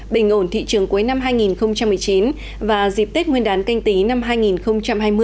bình ổn thị trường cuối năm hai nghìn một mươi chín và dịp tết nguyên đán canh tí năm hai nghìn hai mươi